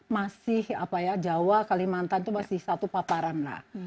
masih apa ya jawa kalimantan itu masih satu paparan lah